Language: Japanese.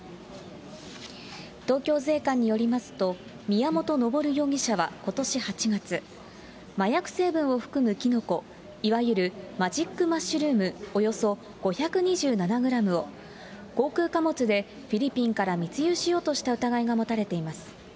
東京税関によりますと、宮本昇容疑者はことし８月、麻薬成分を含むキノコ、いわゆるマジックマッシュルームおよそ５２７グラムを、航空貨物でフィリピンから密輸しようとした疑いが持たれています。